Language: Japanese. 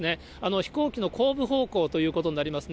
飛行機の後部方向ということになりますね。